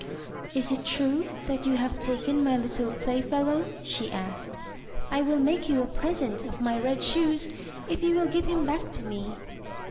"Is it true that you have taken my little playfellow?" she asked. " I will make you a present of my red shoes, if you will give him back to me."